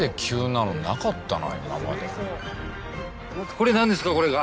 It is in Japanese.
これ何ですかこれが？